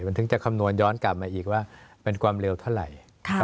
มันถึงจะคำนวณย้อนกลับมาอีกว่ามันความเร็วเท่าไหร่